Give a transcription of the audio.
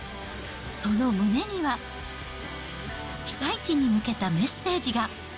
その胸には、被災地に向けたメッセージが。